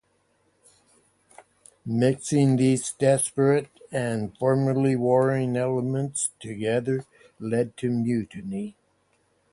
Mixing these disparate and formerly warring elements together led to mutuny.